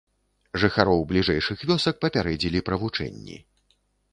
Жыхароў бліжэйшых вёсак папярэдзілі пра вучэнні.